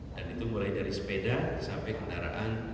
dan itu mulai dari sepeda sampai kendaraan listrik